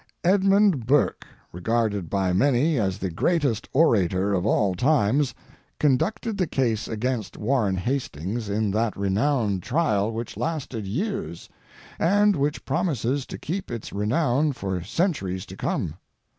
Edmund Burke, regarded by many as the greatest orator of all times, conducted the case against Warren Hastings in that renowned trial which lasted years, and which promises to keep its renown for centuries to come.